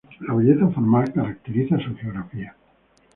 La belleza natural caracteriza su geografía.